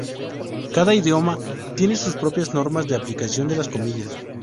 Cada idioma tiene sus propias normas de aplicación de las comillas.